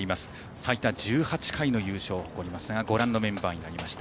最多１８回の優勝を誇りますがご覧のメンバーになりました。